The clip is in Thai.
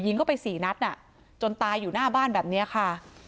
เข้าไปสี่นัดจนตายอยู่หน้าบ้านแบบนี้ค่ะ